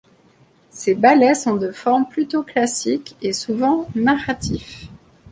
Ses ballets sont de forme plutôt classique et souvent narratifs.